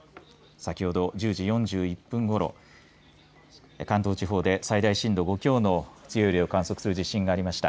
先ほど１０時４１分ごろ関東地方で最大震度５強の強い揺れを観測する地震がありました。